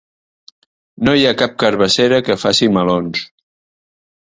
No hi ha cap carabassera que faci melons.